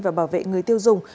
và bảo vệ người tiêu dùng